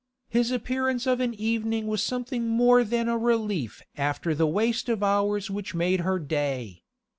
His appearance of an evening was something more than a relief after the waste of hours which made her day.